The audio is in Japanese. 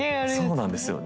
そうなんですよね。